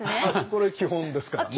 これ基本ですからね。